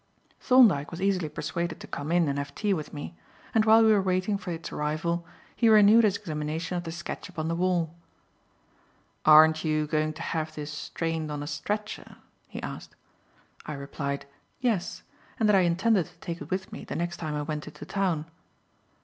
Thorndyke was easily persuaded to come in and have tea with me, and while we were waiting for its arrival, he renewed his examination of the sketch upon the wall. "Aren't you going to have this strained on a stretcher?" he asked. I replied "yes," and that I intended to take it with me the next time I went into town.